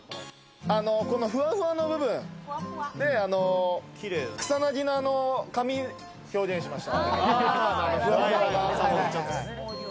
ふわふわの部分で草薙の髪を表現しました。